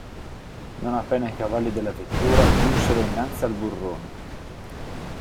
Non appena i cavalli della vettura giunsero innanzi al burrone.